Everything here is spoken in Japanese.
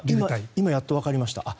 今、やっと分かりました。